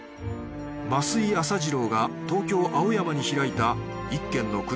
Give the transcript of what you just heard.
増井浅次郎が東京青山に開いた一軒の果物店